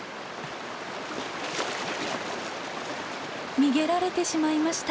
逃げられてしまいました。